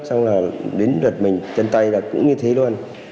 xong là đến lượt mình chân tay là cũng như thế luôn